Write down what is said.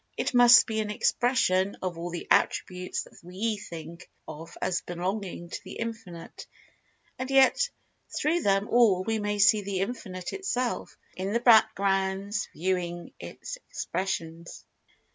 It must be an expression of All the Attributes that we think of as belonging to The Infinite—and yet through them All we may see The Infinite, Itself, in the background, viewing its expressions.